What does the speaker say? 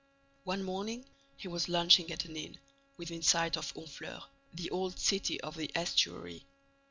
One morning, he was lunching at an inn, within sight of Honfleur, the old city of the estuary.